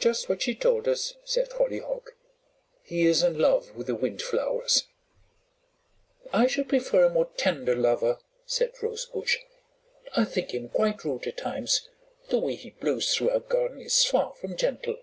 "Just what she told us," said Hollyhock. "He is in love with the Windflowers." "I should prefer a more tender lover," said Rosebush. "I think him quite rude at times. The way he blows through our garden is far from gentle."